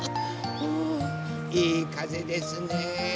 ふいいかぜですね。